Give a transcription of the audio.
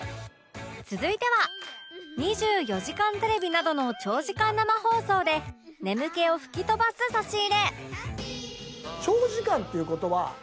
続いては『２４時間テレビ』などの長時間生放送で眠気を吹き飛ばす差し入れ